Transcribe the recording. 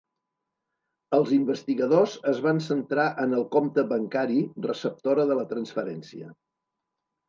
Els investigadors es van centrar en el compte bancari receptora de la transferència.